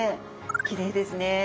きれいですね。